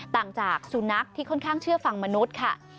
ต่างจากสุนัขที่ค่อนข้างเชื่อฟังมนุษย์ค่ะ